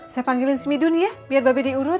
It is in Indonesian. saya panggilin si midun ya biar babi diurut